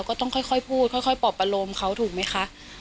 ก็ต้องค่อยพูดค่อยปอบอารมณ์เขาถูกไหมคะ